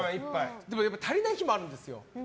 でもやっぱり足りない日もあるんですよ。